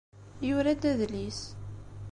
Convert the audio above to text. Yura-d adlis.